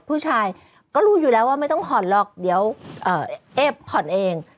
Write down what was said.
ผู้ชายก็รู้อยู่แล้วว่าไม่ต้องผ่อนหรอกเดี๋ยวเอฟผ่อนเอง